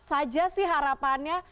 apa saja sih harapannya